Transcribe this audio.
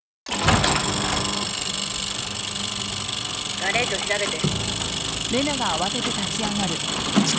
ガレージを調べて。